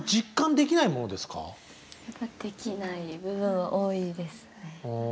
できない部分は多いですね。